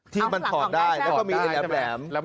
ที่มันถอดได้แล้วก็มีแหลม